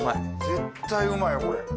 絶対うまいよこれ。